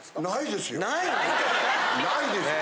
ないですよ。